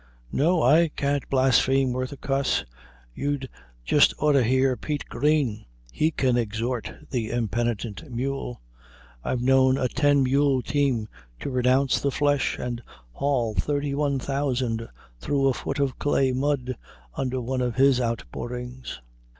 "No, I can't blaspheme worth a cuss. You'd jest orter hear Pete Green. He can exhort the impenitent mule. I've known a ten mule team to renounce the flesh and haul thirty one thousand through a foot of clay mud under one of his outpourings."